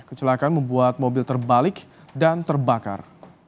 kecelakaan membuat mobil terbalik dan terbakar